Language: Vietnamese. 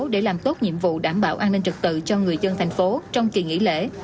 để làm tốt nhiệm vụ đảm bảo an ninh trật tự cho người dân thành phố trong kỳ nghỉ lễ